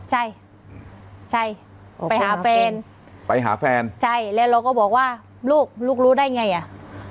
ใช่ใช่ไปหาแฟนไปหาแฟนใช่แล้วเราก็บอกว่าลูกลูกรู้ได้ไงอ่ะ